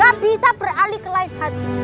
tak bisa beralih ke lain hati